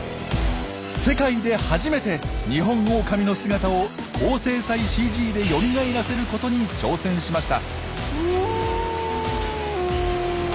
世界で初めてニホンオオカミの姿を高精細ＣＧでよみがえらせることに挑戦しました。